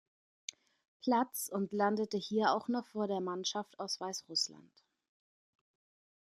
Platz und landete hier auch noch vor der Mannschaft aus Weißrussland.